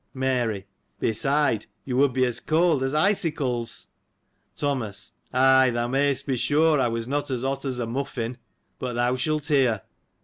Mary. — Beside, you would be as cold as icicles. Thomas. — Ay, thou mayst be sure I was not as hot as a muffin : but thou shalt hear.